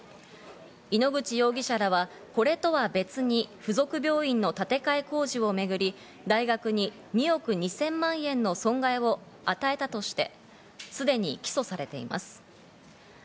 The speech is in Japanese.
井ノ口容疑者らは、これとは別に、付属病院の建て替え工事をめぐり、大学に２億２０００万円の損害を与えたとして、すでに起訴されています。